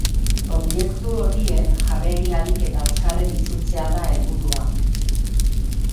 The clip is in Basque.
Objektu horiek jabeei ahalik eta azkarren itzultzea da helburua.